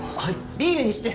ビールにして！